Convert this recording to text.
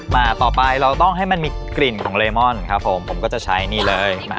มาต่อไปเราต้องให้มันมีกลิ่นของเลมอนครับผมผมก็จะใช้นี่เลย